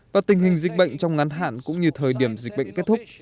và tình hình dịch bệnh trong ngắn hạn cũng như thời điểm dịch bệnh kết thúc